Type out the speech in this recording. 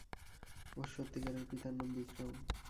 ওর সত্যিকারের পিতার নাম বিক্রম।